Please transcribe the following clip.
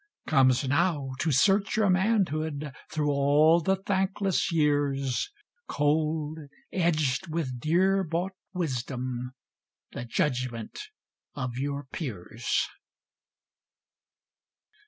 Comes now, to search your manhood Through all the thankless years, Cold, edged with dear bought wisdom, The judgment of your peers!